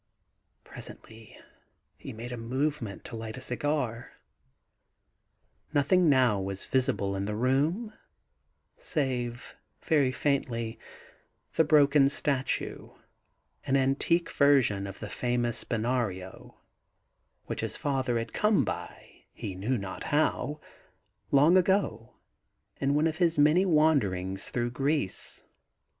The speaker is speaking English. ... Presently he made a movement to light a cigar. Nothing now was visible in the room save, very faintly, the broken statue, an antique version of the famous Spinario, which his father had come by, he 8 THE GARDEN GOD knew not how, long ago, in one of his many wander ings through Greece.